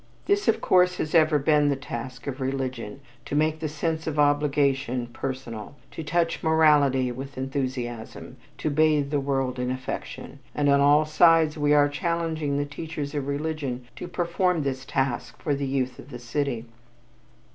This, of course, has ever been the task of religion, to make the sense of obligation personal, to touch morality with enthusiasm, to bathe the world in affection and on all sides we are challenging the teachers of religion to perform this task for the youth of the city.